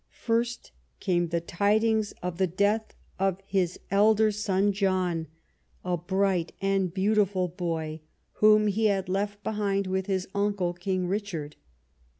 First came the tidings of the death of his elder son John, a bright and beautiful boy, whom he had left behind with his uncle. King Richard.